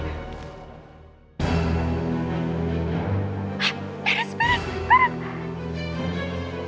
ah paris paris paris